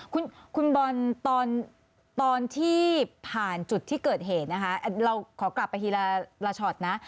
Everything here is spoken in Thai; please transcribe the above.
คุณบอลตอนที่ผ่านจุดที่เกิดเหตุนะคะเราขอกลับไปทีละช็อตนะ